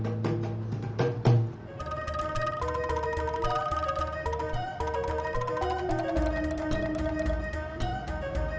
agak mau kemana